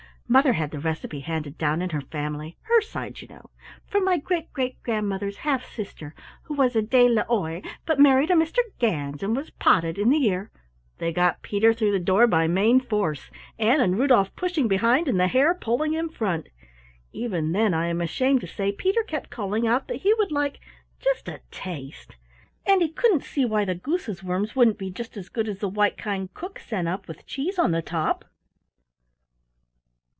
Mother had the recipe handed down in her family her side you know, from my great great grandmother's half sister who was a De l'Oie but married a Mr. Gans and was potted in the year " They got Peter through the door by main force, Ann and Rudolf pushing behind and the Hare pulling in front. Even then, I am ashamed to say, Peter kept calling out that he would like "just a taste", and he didn't see why the Goose's worms wouldn't be just as good as the white kind cook sent up with cheese on the top!